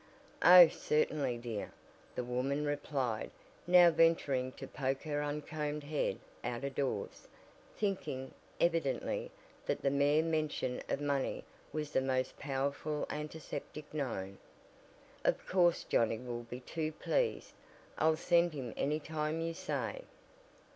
"Oh, certainly, dear," the woman replied, now venturing to poke her uncombed head out of doors, thinking, evidently that the mere mention of money was the most powerful antiseptic known. "Of course Johnnie will be too pleased. I'll send him any time you say."